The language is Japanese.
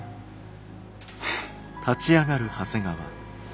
はあ。